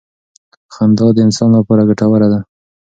خندا د انسان لپاره ګټوره ده.